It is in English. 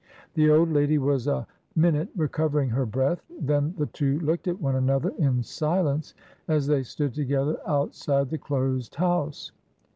The old lady was a minute recovering her breath; then the two looked at one another in silence as they stood together outside the closed house.